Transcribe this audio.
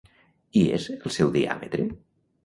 I és el seu diàmetre?